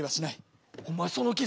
お前その傷